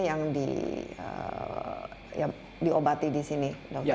yang diobati disini